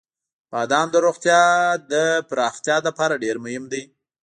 • بادام د روغتیا د پراختیا لپاره ډېر مهم دی.